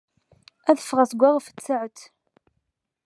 Ad d-ffɣeɣ seg-a ɣef tsaɛet.